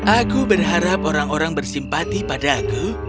aku berharap orang orang bersimpati padaku